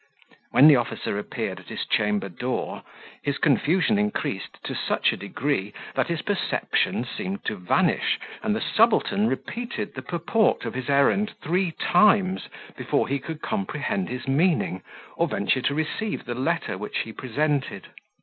When the officer appeared at his chamber door, his confusion increased to such a degree, that his perception seemed to vanish, and the subaltern repeated the purport of his errand three times, before he could comprehend his meaning, or venture to receive the letter which he presented.